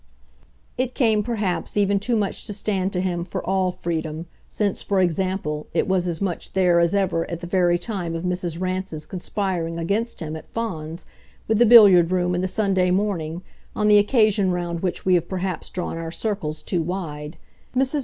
It came perhaps even too much to stand to him for ALL freedom since, for example, it was as much there as ever at the very time of Mrs. Rance's conspiring against him, at Fawns, with the billiard room and the Sunday morning, on the occasion round which we have perhaps drawn our circle too wide. Mrs.